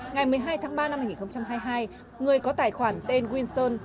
ngày một mươi hai tháng ba năm hai nghìn hai mươi hai người có tài khoản tên winson